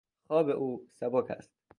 خواب او سبک است.